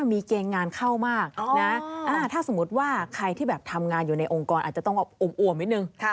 มีเกณฑ์งานเข้ามากนะถ้าสมมุติว่าใครที่แบบทำงานอยู่ในองค์กรอาจจะต้องอวมนิดนึง